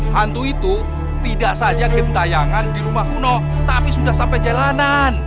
hantu itu tidak saja gentayangan di rumah kuno tapi sudah sampai jalanan